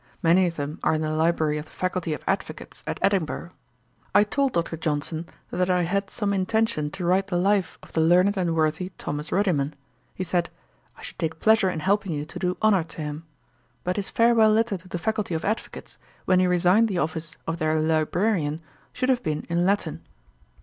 Many of them are in the library of the Faculty of Advocates at Edinburgh. I told Dr. Johnson that I had some intention to write the life of the learned and worthy Thomas Ruddiman. He said, 'I should take pleasure in helping you to do honour to him. But his farewell letter to the Faculty of Advocates, when he resigned the office of their Librarian, should have been in Latin.'